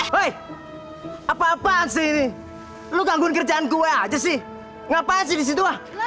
hei apa apaan sih ini lo ganggu kerjaan gue aja sih ngapain sih disitu lah